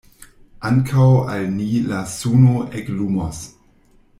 Ankaŭ al ni la suno eklumos.